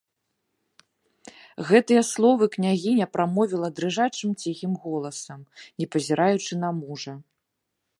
Гэтыя словы княгіня прамовіла дрыжачым ціхім голасам, не пазіраючы на мужа.